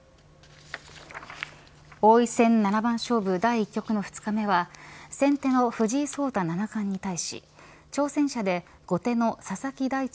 王位戦七番勝負第１局の２日目は先手の藤井聡太七冠に対し挑戦者で後手の佐々木大地